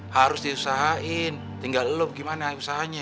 harus diusahain tinggal lo gimana usahanya